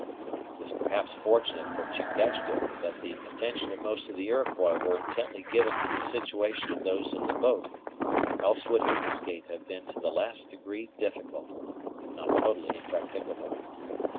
It was perhaps fortunate for Chingachgook that the attention of most of the Iroquois was intently given to the situation of those in the boat, else would his escape have been to the last degree difficult, if not totally impracticable.